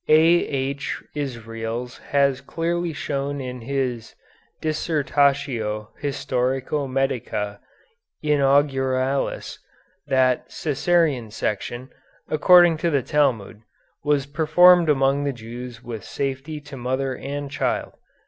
A.H. Israels has clearly shown in his 'Dissertatio Historico Medica Inauguralis' that Cæsarian section, according to the Talmud, was performed among the Jews with safety to mother and child.